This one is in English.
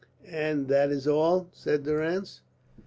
"And that is all?" said Durrance.